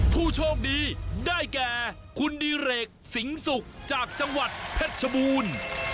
ผู้โชคดีได้แกคุณดีเลกศิงสุขจากจังหวัดเพชรฉบูน